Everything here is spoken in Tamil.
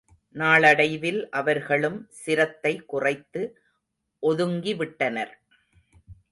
நாளடைவில் அவர்களும் சிரத்தை குறைத்து ஒதுங்கிவிட்டனர்.